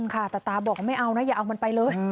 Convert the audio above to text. ค่ะแต่ตาบอกว่าไม่เอานะอย่าเอามันไปเลย